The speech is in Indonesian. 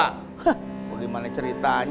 hah bagaimana ceritanya